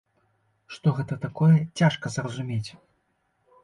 Што гэта такое, цяжка зразумець.